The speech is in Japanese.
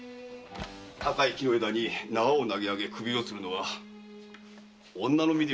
高い木の枝に縄を投げ上げ首をつるのは女の身では難しいことです。